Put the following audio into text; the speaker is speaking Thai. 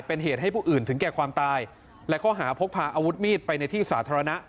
เป็นเหตุให้ผู้อื่นถึงแก่ความตายและข้อหาพกพาอาวุธมีดไปในที่สาธารณะ